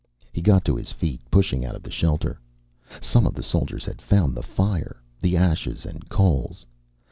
He got to his feet, pushing out of the shelter. Some of the soldiers had found the fire, the ashes and coals.